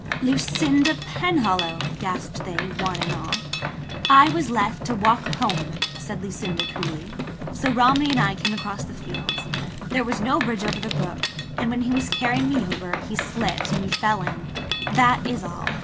"Lucinda Penhallow!" gasped they, one and all. "I was left to walk home," said Lucinda coolly. [Page 155] "So Romney and I came across the fields. There was no bridge over the brook, and when he was carrying me over he slipped and we fell in. That is all.